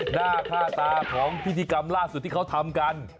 หน้าค่าตาของพิธีกรรมล่าสุดที่เขาทำกัน